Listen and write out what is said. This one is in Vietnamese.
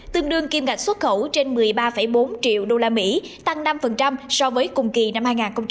tương đương kiêm ngạch xuất khẩu trên một mươi ba bốn triệu usd tăng năm so với cùng kỳ năm hai nghìn một mươi chín